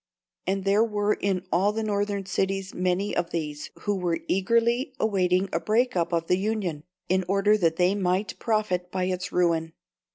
And there were in all the Northern cities many of these, who were eagerly awaiting a breaking up of the Union, in order that they might profit by its ruin.